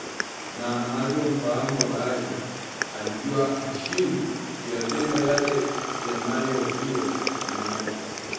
Na anavyomfahamu babake, alijua hashindwi kuyatenda yale yanayohofiwa na mamake